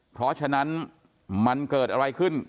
เพราะฉะนั้นมันเกิดอะไรขึ้น